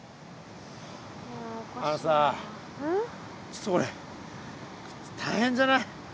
あのさちょっとこれ大変じゃない？